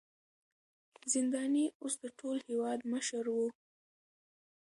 زنداني اوس د ټول هېواد مشر و.